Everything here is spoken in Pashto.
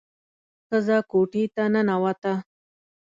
ښځه کوټې ته ننوته.